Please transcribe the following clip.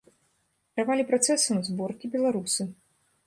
Кіравалі працэсам зборкі беларусы.